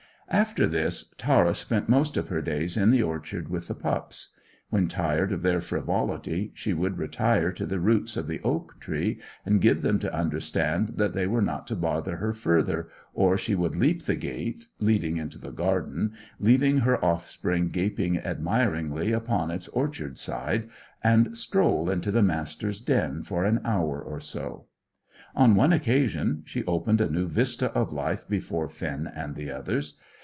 After this Tara spent most of her days in the orchard with the pups. When tired of their frivolity, she would retire to the roots of the oak tree and give them to understand that they were not to bother her further, or she would leap the gate leading into the garden, leaving her offspring gaping admiringly upon its orchard side, and stroll into the Master's den for an hour or so. On one occasion she opened a new vista of life before Finn and the others.